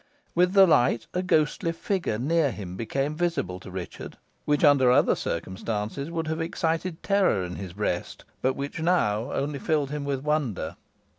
With the light a ghostly figure near him became visible to Richard, which under other circumstances would have excited terror in his breast, but which now only filled him with wonder.